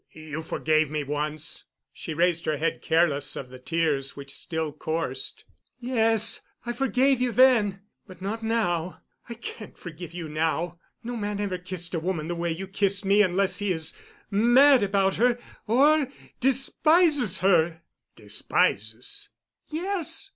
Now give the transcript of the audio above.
"You forgave me once." She raised her head, careless of the tears which still coursed. "Yes, I forgave you then. But not now. I can't forgive you now. No man ever kissed a woman the way you kissed me unless he is mad about her—or despises her." "Despises——" "Yes.